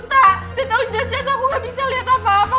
dia tau jelas jelas aku gak bisa liat apa apa